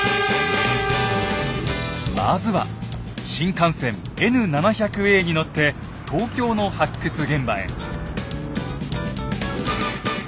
まずは新幹線Ｎ７００Ａに乗って東京の発掘現場へ。